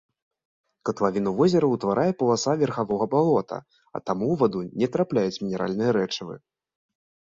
Катлавіну возера ўтварае паласа верхавога балота, а таму ў ваду не трапляюць мінеральныя рэчывы.